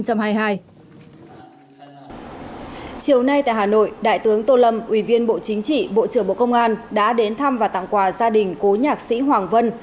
chiều nay tại hà nội đại tướng tô lâm ủy viên bộ chính trị bộ trưởng bộ công an đã đến thăm và tặng quà gia đình cố nhạc sĩ hoàng vân